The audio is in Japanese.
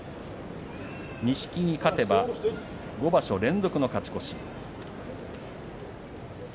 錦木は勝てば５場所連続の勝ち越し。